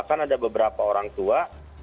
untuk anak tua